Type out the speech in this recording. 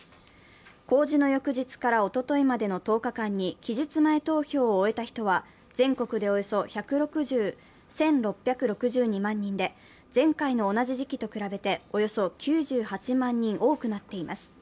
公示の翌日からおとといまでの１０日間に期日前投票を終えた人は全国でおよそ１６６２万人で、前回の同じ時期と比べておよそ９８万人多くなっています。